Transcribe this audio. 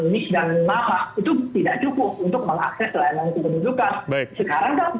sekarang kan itu dilakukan